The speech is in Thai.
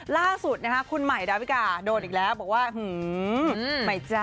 ล่าสุดนะคะคุณใหม่ดาวิกาโดนอีกแล้วบอกว่าหือใหม่จ้ะ